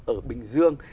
ở bình dương